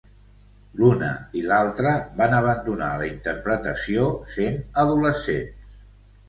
L'una i l'altra van abandonar la interpretació sent adolescents.